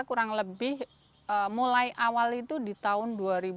kurang lebih mulai awal itu di tahun dua ribu dua